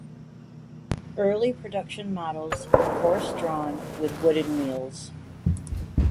Early production models were horse-drawn, with wooden wheels.